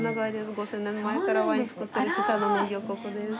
５０００年前からワイン造ってる地産の農業国です。